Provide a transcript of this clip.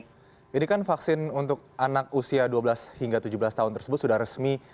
jadi kan vaksin untuk anak usia dua belas hingga tujuh belas tahun tersebut sudah resmi